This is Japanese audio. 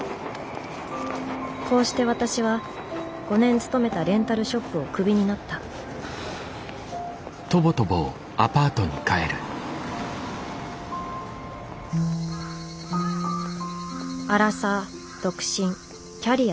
こうして私は５年勤めたレンタルショップをクビになったアラサー独身キャリアなし。